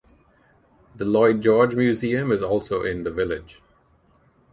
The Lloyd George Museum is also in the village.